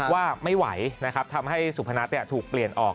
ว่าไม่ไหวนะครับทำให้สุพนัทถูกเปลี่ยนออก